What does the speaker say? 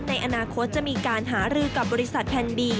ในอนาคตจะมีการหารือกับบริษัทแผ่นบี